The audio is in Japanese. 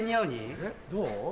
えっどう？